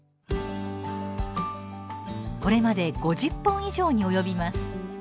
これまで５０本以上におよびます。